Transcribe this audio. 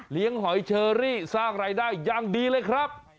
เลี้ยงหอยเชอรี่สร้างรายได้ยังดีเลยครับ